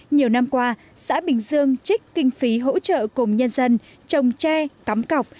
nhiều năm qua xã bình dương trích kinh phí hỗ trợ cùng nhân dân trồng tre cắm cọc